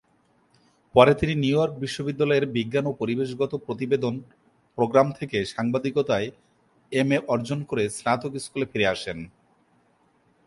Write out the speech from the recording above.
পরে তিনি নিউইয়র্ক বিশ্ববিদ্যালয়ের বিজ্ঞান ও পরিবেশগত প্রতিবেদন প্রোগ্রাম থেকে সাংবাদিকতায় এমএ অর্জন করে স্নাতক স্কুলে ফিরে আসেন।